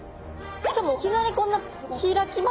しかもいきなりこんな開きます？